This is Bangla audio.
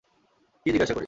কী জিজ্ঞাসা করি?